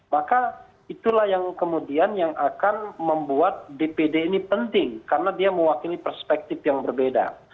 maka itulah yang kemudian yang akan membuat dpd ini penting karena dia mewakili perspektif yang berbeda